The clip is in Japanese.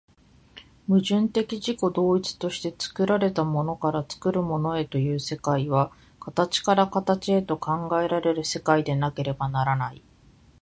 矛盾的自己同一として作られたものから作るものへという世界は、形から形へと考えられる世界でなければならない。